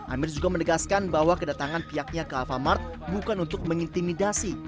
amir juga menegaskan bahwa kedatangan pihaknya ke alfamart bukan untuk mengintimidasi